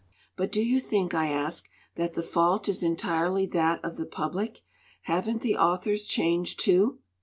"But do you think," I asked, "that the fault is entirely that of the public? Haven't the au thors changed, too?"